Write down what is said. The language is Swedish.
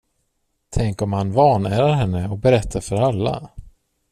Tänk om han vanärar henne och berättar för alla?